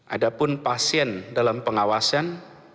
adapun pasien dalam pengawasan